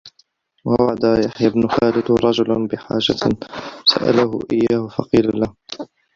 وَوَعَدَ يَحْيَى بْنُ خَالِدٍ رَجُلًا بِحَاجَةٍ سَأَلَهُ إيَّاهَا فَقِيلَ لَهُ